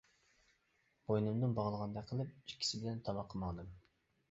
بوينۇمدىن باغلىغاندەك قىلىپ ئىككىسى بىلەن تاماققا ماڭدىم.